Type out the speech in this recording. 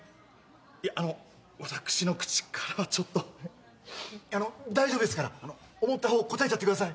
いやあの私の口からはちょっとあの大丈夫ですから思った方答えちゃってください